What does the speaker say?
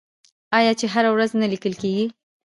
آیا چې هره ورځ نه لیکل کیږي؟